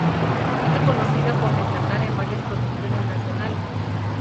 Es reconocida por destacar en varias producciones nacionales.